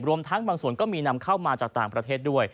รวมทั้งบางส่วนก็มีนำเข้ามาจากต่างประเทศด้วย